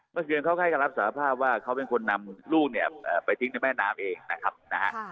เมื่อคืนเขาให้การรับสารภาพว่าเขาเป็นคนนำลูกเนี่ยไปทิ้งในแม่น้ำเองนะครับนะฮะ